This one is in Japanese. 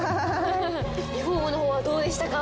リフォームの方はどうでしたか？